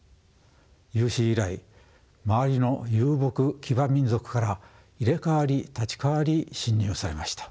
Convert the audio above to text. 有史以来周りの遊牧騎馬民族から入れ代わり立ち代わり侵入されました。